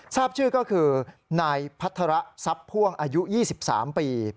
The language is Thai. ทราบชื่อก็คือนายพัฒระทรัพย์พ่วงอายุ๒๓ปี